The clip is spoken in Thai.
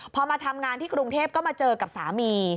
พอมาทำงานที่กรุงเทพก็มาเจอกับสามี